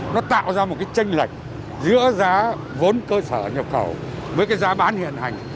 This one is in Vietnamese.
nó tạo ra một cái tranh lệch giữa giá vốn cơ sở nhập khẩu với cái giá bán hiện hành